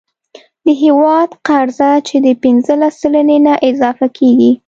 د یو هیواد قرضه چې د پنځلس سلنې نه اضافه کیږي،